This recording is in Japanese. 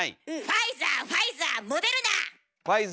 ファイザーファイザーモデルナ！